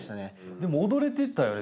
でも踊れてたよね